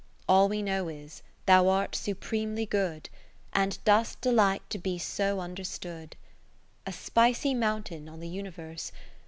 All we know is. Thou art supremely good, And dost delight to be so under stood. A spicy mountain on the universe.